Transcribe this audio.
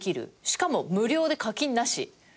しかも無料で課金なし。